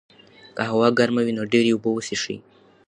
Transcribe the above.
که هوا ګرمه وي، نو ډېرې اوبه وڅښئ.